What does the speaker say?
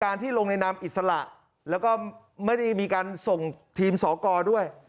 ที่ลงในนามอิสระแล้วก็ไม่ได้มีการส่งทีมสอกรด้วย